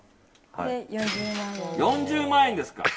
４０万円です。